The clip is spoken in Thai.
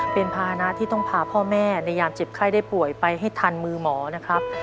เป็นภานะที่ต้องพาพ่อแม่ในยามเจ็บไข้ได้ป่วยไปให้ทันมือหมอนะครับ